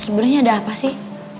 sebenarnya ada apa sih